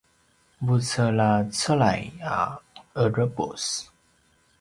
vucelacelay a ’erepus